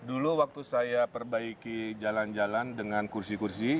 dulu waktu saya perbaiki jalan jalan dengan kursi kursi